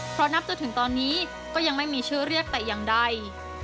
เพราะนับจนถึงตอนนี้ก็ยังไม่มีชื่อเรียกแต่อย่างใด